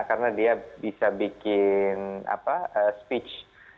karena dia bisa bikin speech